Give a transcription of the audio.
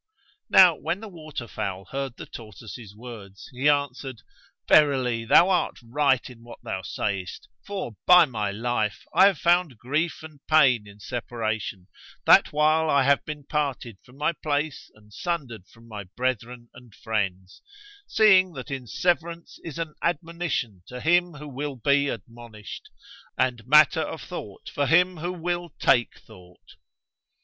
Now when the water fowl heard the tortoise's words he answered, "Verily, thou art right in what thou sayest for, by my life, I have found grief and pain in separation, what while I have been parted from my place and sundered from my brethren and friends; seeing that in severance is an admonition to him who will be admonished and matter of thought for him who will take thought.